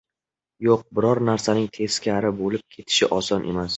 Yo‘q, biror narsaning teskari bo‘lib ketishi oson emas.